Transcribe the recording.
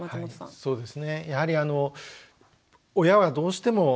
そうですよね。